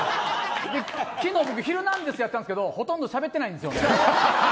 昨日、ヒルナンデスだったんですけど、ほとんどしゃべってないんです。